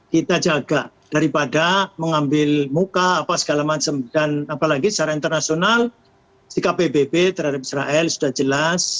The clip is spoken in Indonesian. kita jaga daripada mengambil muka apa segala macam dan apalagi secara internasional sikap pbb terhadap israel sudah jelas